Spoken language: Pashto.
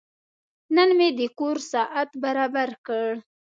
نن مې د کور ساعت برابر کړ.